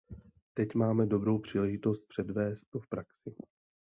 Teď máme dobrou příležitost předvést to v praxi.